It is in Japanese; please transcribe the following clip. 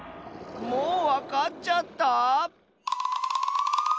もうわかっちゃった？